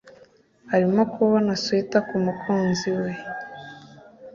Arimo kuboha swater kumukunzi we.